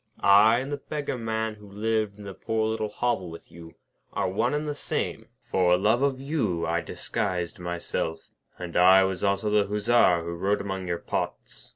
I and the Beggar Man, who lived in the poor little hovel with you, are one and the same. For love of you I disguised myself; and I was also the Hussar who rode among your pots.